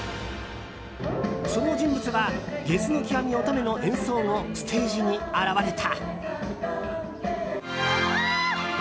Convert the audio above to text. その人物は、ゲスの極み乙女の演奏後、ステージに現れた。